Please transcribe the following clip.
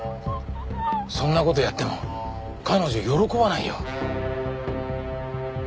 そんな事やっても彼女喜ばないよ。